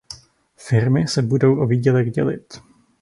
Firmy se budou o výdělek dělit.